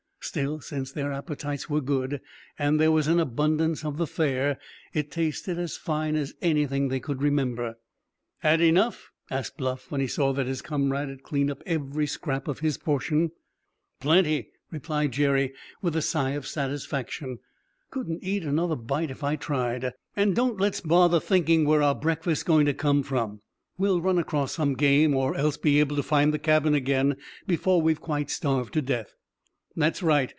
Still, since their appetites were good and there was an abundance of the fare, it tasted as fine as anything they could remember. "Had enough?" asked Bluff, when he saw that his comrade had cleaned up every scrap of his portion. "Plenty," replied Jerry, with a sigh of satisfaction; "couldn't eat another bite if I tried. And don't let's bother thinking where our breakfast's going' to come from. We'll run across some game, or else be able to find the cabin again before we've quite starved to death." "That's right.